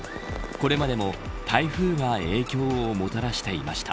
これまでも台風が影響をもたらしていました。